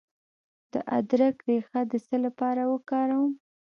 د ادرک ریښه د څه لپاره وکاروم؟